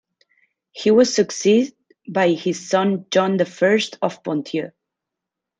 He was succeeded by his son John the First of Ponthieu.